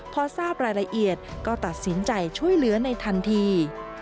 พอทราบรายละเอียดก็ตัดสินใจช่วยเหลือในทันที